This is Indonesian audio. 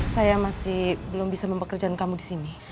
saya masih belum bisa mempekerjakan kamu disini